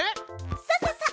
そうそうそう。